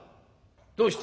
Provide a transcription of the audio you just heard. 「どうして？」。